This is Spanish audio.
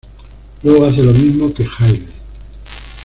Luego hace lo mismo que Hayley.